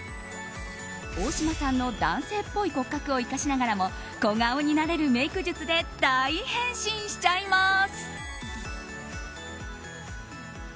大島さんの男性っぽい骨格を生かしながらも小顔になれるメイク術で大変身しちゃいます。